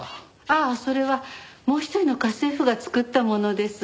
ああそれはもう一人の家政婦が作ったものです。